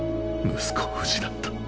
息子を失った。